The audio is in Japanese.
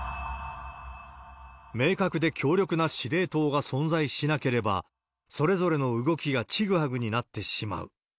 明確で強力な司令塔が存在しなければ、それぞれの動きがちぐはぐになってしまう。